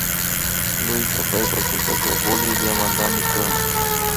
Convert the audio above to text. Luisa paypak kusapash Boliviamantami kan